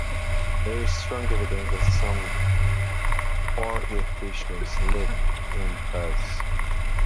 There is strong evidence that some ornithischians lived in herds.